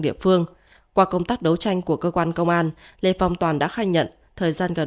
địa phương qua công tác đấu tranh của cơ quan công an lê phong toàn đã khai nhận thời gian gần